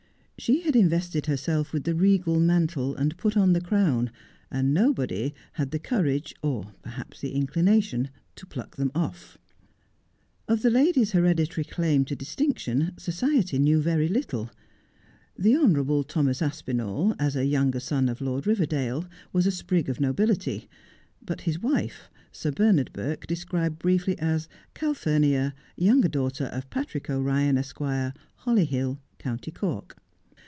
She had invested herself with the regal mantle and put on the crown, and nobody had the courage, or perhaps the inclination, to pluck them off. Of the lady's hereditary claim to distinction society knew very little. The honourable Thomas Aspinall, as a younger son of Lord Biverdale, was a sprig of nobility ; but his wife Sir Bernard Burke described briefly as Calphurnia, younger daughter of Patrick O'Byan, Esq., Holly Hill, County Cork.